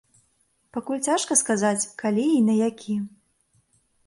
Пакуль цяжка сказаць, калі і на які.